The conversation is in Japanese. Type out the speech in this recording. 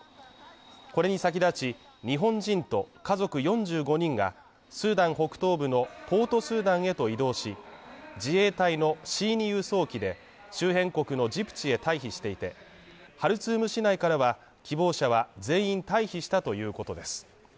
これに先立ち、日本人と家族４５人がスーダン北東部のポートスーダンへと移動し、自衛隊のＣ−２輸送機で周辺国のジブチへ退避していて、ハルツーム市内からは、希望者は全員退避したということです。